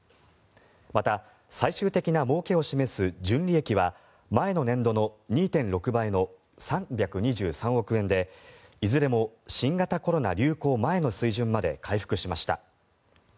また、最終的なもうけを示す純利益は前の年度の２．６倍の３２３億円でいずれも新型コロナ流行前の水準まで回復しました。